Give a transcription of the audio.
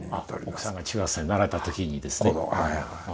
お子さんが中学生になられたときにですね。